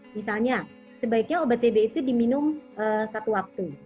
misalnya sebaiknya obat tb itu diminum satu waktu